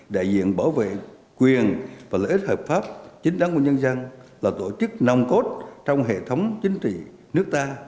đại diện bảo vệ quyền và lợi ích hợp pháp chính đáng của nhân dân là tổ chức nông cốt trong hệ thống chính trị nước ta